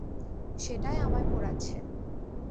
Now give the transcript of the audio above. সেটাই আমায় পোড়াচ্ছে।